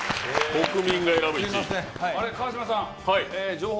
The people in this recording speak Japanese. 国民が選ぶ１位。